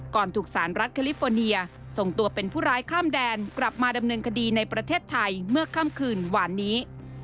ถูกสารรัฐแคลิฟอร์เนียส่งตัวเป็นผู้ร้ายข้ามแดนกลับมาดำเนินคดีในประเทศไทยเมื่อค่ำคืนหวานนี้